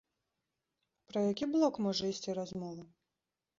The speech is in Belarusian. Пра які блок можа ісці размова?